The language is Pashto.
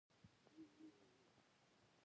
خوب ګډوډوي او بدن ژر زړوي.